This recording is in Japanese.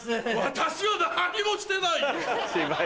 私は何にもしてないよ。